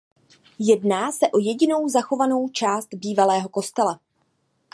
Jedná se o jedinou zachovanou část bývalého kostela.